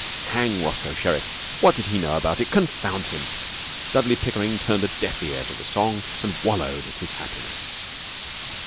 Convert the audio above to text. Hang Roscoe Sherriff! What did he know about it! Confound him! Dudley Pickering turned a deaf ear to the song and wallowed in his happiness.